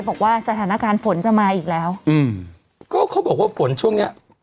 บอกว่าสถานการณ์ฝนจะมาอีกแล้วอืมก็เขาบอกว่าฝนช่วงเนี้ย